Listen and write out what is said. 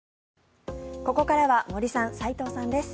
ここからは森さん、斎藤さんです。